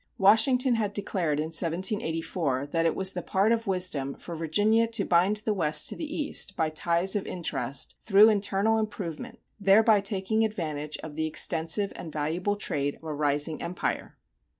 Washington had declared in 1784 that it was the part of wisdom for Virginia to bind the West to the East by ties of interest through internal improvement thereby taking advantage of the extensive and valuable trade of a rising empire.